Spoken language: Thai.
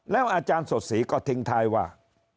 อาจารย์สดศรีก็ทิ้งท้ายว่า